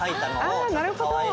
ああなるほど。